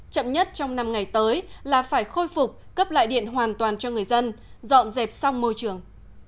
chậm nhất trong năm ngày tới là phải khôi phục cấp lại điện hoàn toàn cho người dân dọn dẹp xong môi trường